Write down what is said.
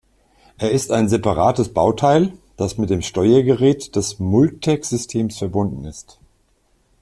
Er ist ein separates Bauteil, das mit dem Steuergerät des Multec-Systems verbunden ist.